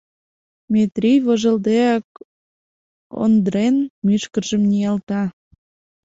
— Метрий, вожылдеак, Ондрен мӱшкыржым ниялта.